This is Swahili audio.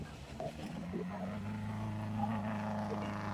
eandika juu ya ule utafiti wa rail